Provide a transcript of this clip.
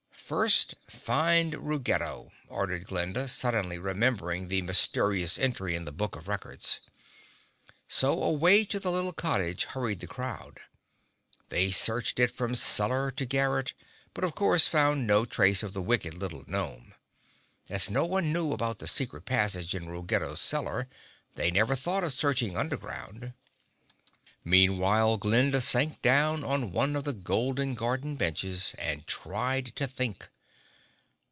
"First, find Ruggedo," ordered Glinda, suddenly remembering the mysterious entry in the Book of Records. So, away to the little cottage hurried the crowd. They searched it from cellar to garret, but of course found no trace of the wicked little gnome. As no one knew about the secret passage in Ruggedo's cellar, they never thought of searching underground. Meanwhile Glinda sank down on one of the golden garden benches and tried to think.